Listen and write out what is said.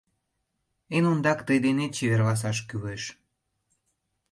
Эн ондак тый денет чеверласаш кӱлеш!